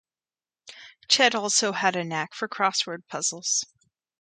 Chet also had a knack for crossword puzzles.